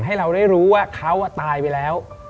ให้เราได้รู้ว่าเขาตายไปแล้ว